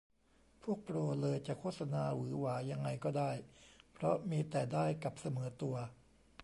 พวกโปรเลยจะโฆษณาหวือหวายังไงก็ได้ เพราะมีแต่ได้กับเสมอตัว